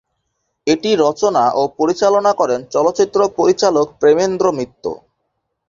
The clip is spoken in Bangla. এটি রচনা ও পরিচালনা করেন চলচ্চিত্র পরিচালক প্রেম।